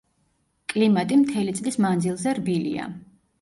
კლიმატი მთელი წლის მანძილზე რბილია.